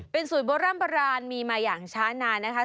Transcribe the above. เป็นสูตรโบร่ำโบราณมีมาอย่างช้านานนะคะ